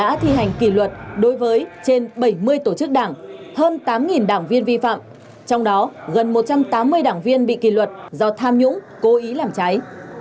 các cấp đã thi hành kỳ luật đối với trên bảy mươi tổ chức đảng hơn tám đảng viên vi phạm trong đó gần một trăm tám mươi đảng viên bị kỳ luật do tham nhũng cố ý làm cháy